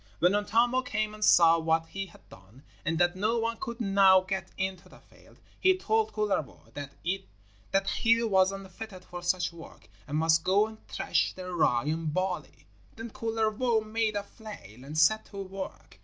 When Untamo came and saw what he had done, and that no one could now get into the field, he told Kullervo that he was unfitted for such work, and must go and thresh the rye and barley. Then Kullervo made a flail and set to work.